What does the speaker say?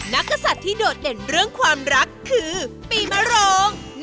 กษัตริย์ที่โดดเด่นเรื่องความรักคือปีมะโรง